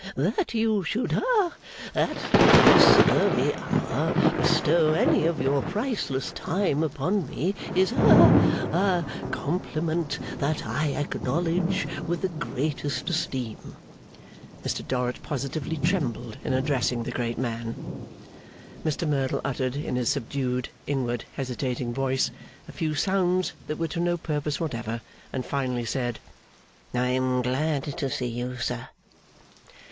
'That you should ha at this early hour, bestow any of your priceless time upon me, is ha a compliment that I acknowledge with the greatest esteem.' Mr Dorrit positively trembled in addressing the great man. Mr Merdle uttered, in his subdued, inward, hesitating voice, a few sounds that were to no purpose whatever; and finally said, 'I am glad to see you, sir.